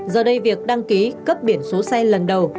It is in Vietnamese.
giờ đây việc đăng ký cấp biển số xe lần đầu